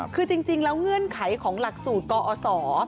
คือจริงแล้วเงื่อนไขของหลักสูตรกอศ